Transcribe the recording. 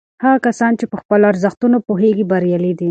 هغه کسان چې په خپلو ارزښتونو پوهیږي بریالي دي.